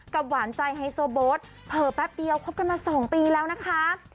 กับหวานใจให้โซบสเผลอแป๊บเดียวครบกันมา๒ปีแล้วนะคะ